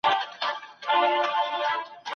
يوه ښځه شربت ورکوي او هڅه کوي مرسته وکړي.